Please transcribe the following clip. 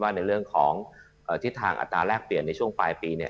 และในเรื่องของทิศทางอัตราแลกเปลี่ยนในกล่าวปี